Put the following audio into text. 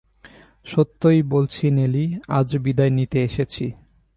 সত্যই বলছি নেলি, আজ বিদায় নিতে এসেছি।